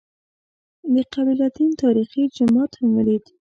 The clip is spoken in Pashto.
د قبله تین تاریخي جومات هم ولېد.